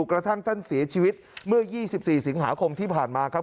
กระทั่งท่านเสียชีวิตเมื่อ๒๔สิงหาคมที่ผ่านมาครับ